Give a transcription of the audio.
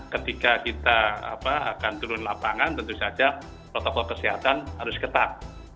ketika kita akan turun lapangan tentu saja protokol kesehatan harus ketat